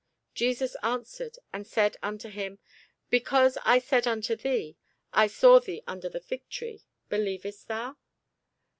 Jesus answered and said unto him, Because I said unto thee, I saw thee under the fig tree, believest thou?